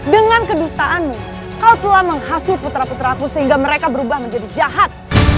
dengan kedustaanmu kau telah menghasut putera putera aku sehingga mereka berubah menjadi jahat